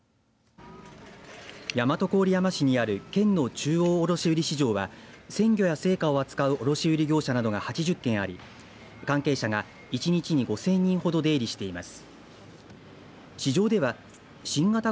大和郡山市にある県の中央卸売市場は鮮魚や青果を取り扱う卸売り業者などが８０軒あり関係者が１日に５０００人ほど出入りしています。